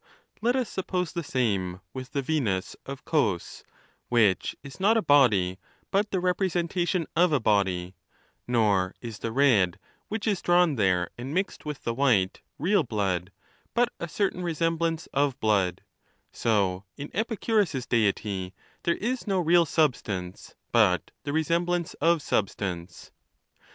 Let us suppose the same with the Venus of Cos, which is not a body, but the representation of a body ; nor is the red, which is drawn there and mixed with the white, real blood, but a certain resemblance of blood ; so in Epicu rus's Deity there is no real substance, but the resemblance of substance.